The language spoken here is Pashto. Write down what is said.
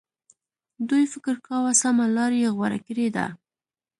دوی فکر کاوه سمه لار یې غوره کړې ده.